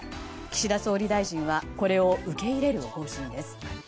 岸田総理大臣は、これを受け入れる方針です。